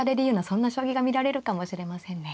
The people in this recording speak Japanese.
そんな将棋が見られるかもしれませんね。